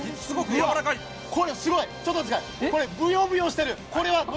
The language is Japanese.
これ、すごい、ぶよぶよしてる。